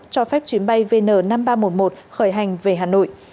cho phép chuyến bay vn năm nghìn ba trăm một mươi một khởi hành về hà nội